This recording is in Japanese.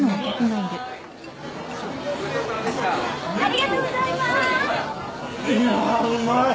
いやうまい！